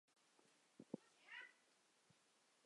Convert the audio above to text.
卡伦山。